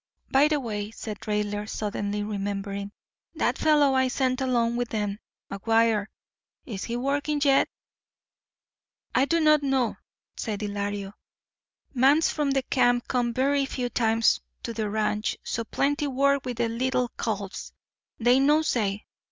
"By the way," said Raidler, suddenly remembering, "that fellow I sent along with them—McGuire—is he working yet?" "I do not know," said Ylario. "Mans from the camp come verree few times to the ranch. So plentee work with the leetle calves. They no say.